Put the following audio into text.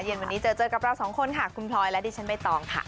เย็นวันนี้เจอเจอกับเราสองคนค่ะคุณพลอยและดิฉันใบตองค่ะ